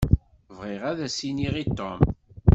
Bɣiɣ ad as-iniɣ i Tom.